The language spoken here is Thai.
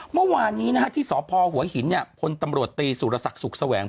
เมื่อวานนี้ที่สพหัวหินพลตำรวจตีสุรศักดิ์สุขแสวง